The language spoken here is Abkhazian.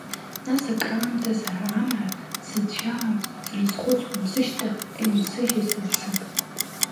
Нас акраамҭа сара амра сыцәиалан, срызхәыцуан сышьҭахьҟа инсыжьыз иацы.